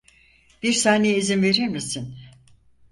Bir saniye izin verir misin?